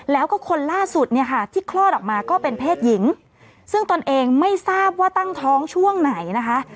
แล้วก็คนล่าสุดเนี่ยค่ะที่คลอดออกมาก็เป็นเพศหญิงซึ่งตนเองไม่ทราบว่าตั้งท้องช่วงไหนนะคะ